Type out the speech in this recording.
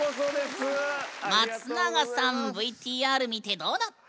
松永さんＶＴＲ見てどうだった？